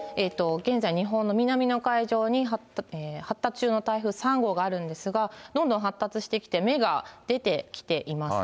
現在、日本の南の海上に発達中の台風３号があるんですが、どんどん発達してきて、目が出てきていますね。